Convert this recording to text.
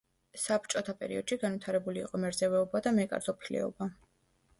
საბჭოთა პერიოდში განვითარებული იყო მერძევეობა და მეკარტოფილეობა.